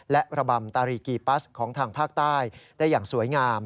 และระบำตารีกีปัสของทางภาคใต้ได้อย่างสวยงาม